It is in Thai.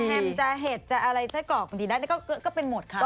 แฮมจาเห็ดจาอะไรไส้กรอกบางทีนั้นก็เป็นหมดค่ะ